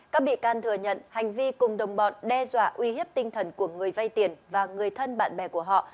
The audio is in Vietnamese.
các bị can thừa nhận hành vi cùng đồng bọn đe dọa uy hiếp tinh thần của người vay tiền và người thân bạn bè của họ